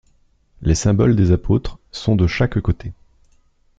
Les symboles des apôtres sont de chaque côté.